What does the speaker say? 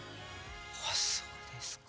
あそうですか。